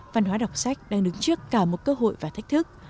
văn hóa đọc sách đang đứng trước cả một cơ hội và thách thức